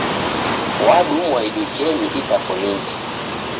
W'adumwa idukeni itakoniji.